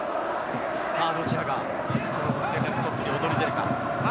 どちらがその得点ランクトップに躍り出るか。